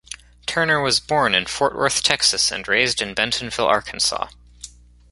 Turner was born in Fort Worth, Texas and raised in Bentonville, Arkansas.